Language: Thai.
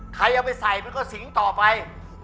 ใครเอาไปใส่มันก็สิงต่อไป